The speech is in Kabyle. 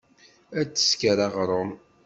Ad tesker aɣṛum.